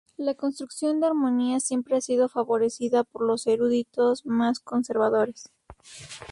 La construcción de armonías siempre ha sido favorecida por los eruditos más conservadores.